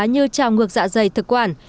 như trào ngược dạ dày thực quản